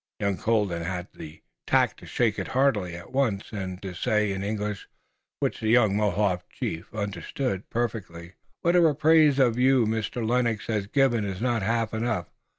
Young Colden had the tact to shake it heartily at once and to say in English, which the young Mohawk chief understood perfectly: "Daganoweda, whatever praise of you Mr. Lennox has given it's not half enough.